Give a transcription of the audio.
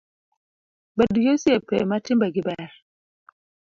Bed gi osiepe ma timbe gi ber